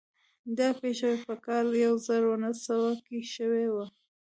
دا پېښه په کال يو زر و نهه سوه کې شوې وه.